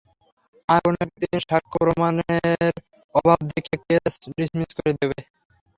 আর কোনো একদিন সাক্ষ্যপ্রমাণের অভাব দেখিয়ে কেস ডিসমিস করে দেবে।